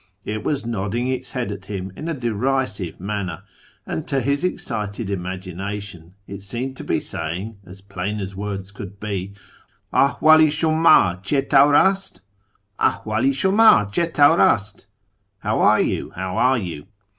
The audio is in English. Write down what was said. It was nodding its head at him in a derisive manner, and, to his excited imagina tion, it seemed to be saying, as plain as \/ords could be, ' Ahivdl i shitmd cM tawr ast ? Ahwdl i sMimd cM taior ast ?'(' How are you ? How are you